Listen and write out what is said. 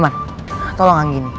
jangan turun aja kamu